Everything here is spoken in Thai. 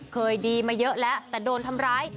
เคยดีมาเยอะแล้วแต่โดนทำร้าย